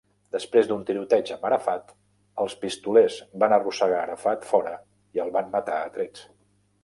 Després d'un tiroteig amb Arafat, els pistolers van arrossegar Arafat fora i el van matar a trets.